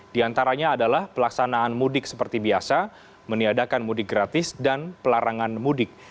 di antaranya adalah pelaksanaan mudik seperti biasa meniadakan mudik gratis dan pelarangan mudik